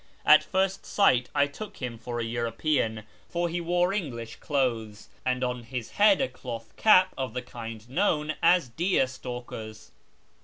At first sight I took him for a European, for he wore English clothes, and on his head a cloth cap of the kind known as " deer stallcers."